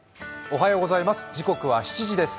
おはようございます。